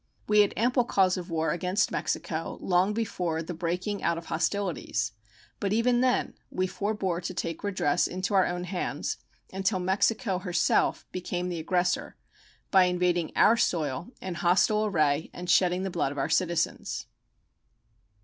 We had ample cause of war against Mexico long before the breaking out of hostilities; but even then we forbore to take redress into our own hands until Mexico herself became the aggressor by invading our soil in hostile array and shedding the blood of our citizens.